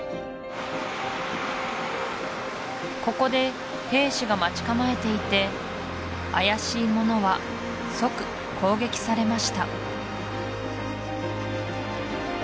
ここで兵士が待ち構えていて怪しい者は即攻撃されました